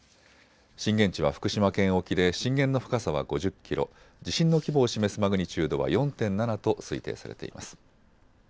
震源地は福島県沖で震源の深さは５０キロ、地震の規模を示すマグニチュードは４．７と推定されています。